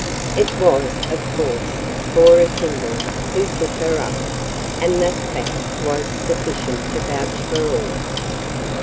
It was, of course, Cora Kimball who "took her up," and that fact was sufficient to vouch for all.